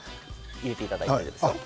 入れていただいていいですか。